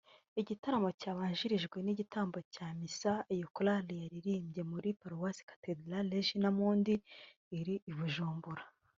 Igitaramo cyabanjirijwe n’igitambo cya misa iyo Korali yaririmbye muri paruwasi Cathederal Regina mundi iri i Bujumbura